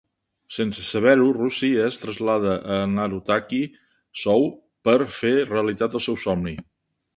Sense saber-ho, Ryushi es trasllada a Narutaki-Sou per fer realitat el seu somni.